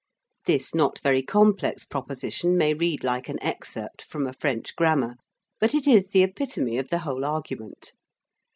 This not very complex proposition may read like an excerpt from a French grammar, but it is the epitome of the whole argument.